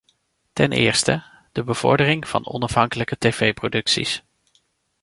Ten eerste, de bevordering van onafhankelijke tv-producties.